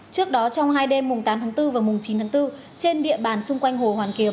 trước đó trong hai đêm tám bốn và chín bốn trên địa bàn xung quanh hồ hoàn kiếm